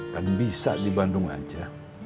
dan bisa di bandung aja